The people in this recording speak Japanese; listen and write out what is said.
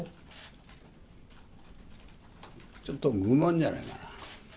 ちょっと愚問じゃないかな。